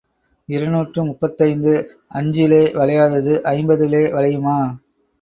இருநூற்று முப்பத்தைந்து அஞ்சிலே வளையாதது ஐம்பதிலே வளையுமா?